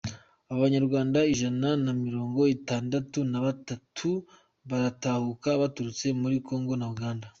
Abanyarwanda ijana na mirongo itandatu na batatu baratahuka baturutse muri kongo na Uganda